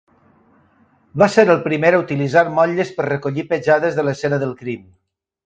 Va ser el primer a utilitzar motlles per recollir petjades de l'escena del crim.